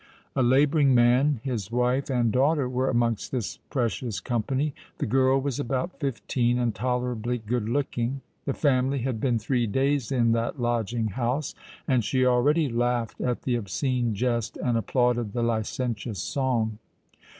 A labouring man, his wife, and daughter were amongst this precious company. The girl was about fifteen, and tolerably good looking. The family had been three days in that lodging house; and she already laughed at the obscene jest and applauded the licentious song.